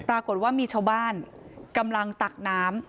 ปรากฏว่ามีชาวบ้านกำลังตักน้ำ